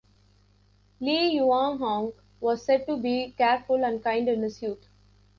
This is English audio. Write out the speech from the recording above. Li Yuanhong was said to be careful and kind in his youth.